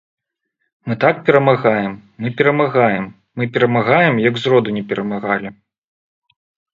Мы так перамагаем, мы перамагаем, мы перамагаем, як зроду не перамагалі.